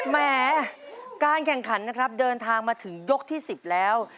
แหมการแข่งขันนะครับเดินทางมาถึงยกที่๑๐แล้ว